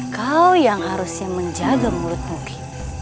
kau yang harusnya menjaga mulutmu ki